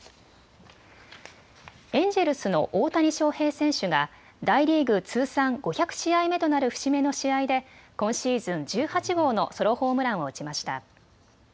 エンジェルスの大谷翔平選手が大リーグ通算５００試合目となる節目の試合で今シーズン１８号のソロホームランを打ちました。